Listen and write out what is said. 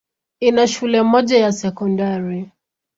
Ina shule moja ya sekondari.